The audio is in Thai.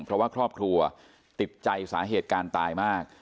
เพราะว่าครอบครัวติดใจสาเหตุการณ์ตายมาก